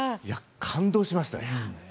感動しましたね。